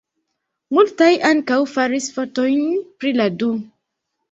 Multaj ankaŭ faris fotojn pri la du.